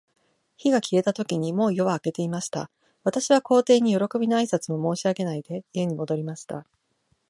火事が消えたとき、もう夜は明けていました。私は皇帝に、よろこびの挨拶も申し上げないで、家に戻りました。